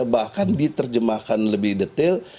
bahkan diterjemahkan lebih detail